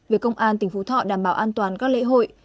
về công an tỉnh phú thọ đảm bảo an toàn các lễ hội